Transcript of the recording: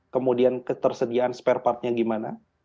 kemudian ketersediaan spare partnya gimana